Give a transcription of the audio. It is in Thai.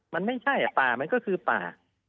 มันไม่ใช่ป่ามันก็คือป่า